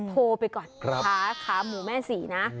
โทรไปก่อนขาหมูแม่ศรีนะ